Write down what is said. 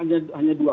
alasan itu hanya dua